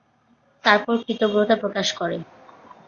তারপর কৃতজ্ঞতা প্রকাশ করে।